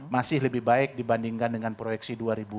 masih lebih baik dibandingkan dengan proyeksi